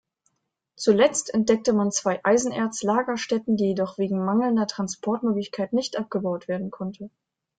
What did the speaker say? Zuletzt entdeckte man zwei Eisenerz-Lagerstätten die jedoch wegen mangelnder Transportmöglichkeiten nicht abgebaut werden konnte.